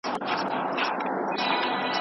دا ډالۍ د خلکو له پیسو اخیستل کیږي.